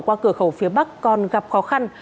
qua cửa khẩu phía bắc còn gặp khó khăn